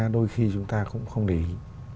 đôi khi chúng ta cũng không để ý